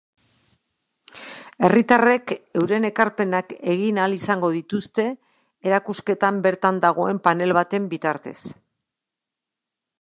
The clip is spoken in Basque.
Herritarrek euren ekarpenak egin ahal izango dituzte erakusketan bertan dagoen panel baten bitartez.